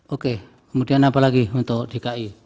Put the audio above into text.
oke kemudian apa lagi untuk dki